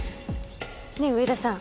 ねえ上田さん。